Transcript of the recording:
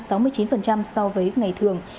so với ngày thường